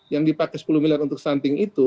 yang dipakai sepuluh miliar untuk stunting itu